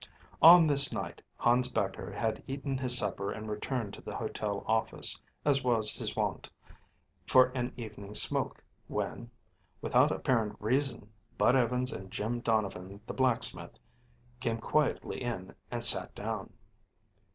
On this night Hans Becher had eaten his supper and returned to the hotel office, as was his wont, for an evening smoke, when, without apparent reason, Bud Evans and Jim Donovan, the blacksmith, came quietly in and sat down.